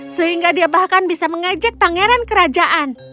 sehingga dia bahkan bisa mengejek pangeran kerajaan